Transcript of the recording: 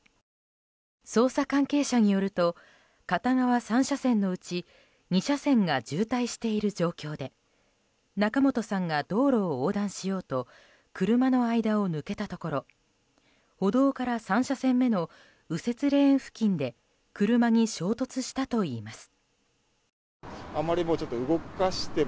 捜査関係者によると片側３車線のうち２車線が渋滞している状況で仲本さんが道路を横断しようと車の間を抜けたところ歩道から３車線目の右折レーン付近で車に衝突したといいます。